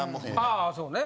あそうね。